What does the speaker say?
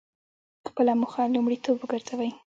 خپله موخه لومړیتوب وګرځوئ.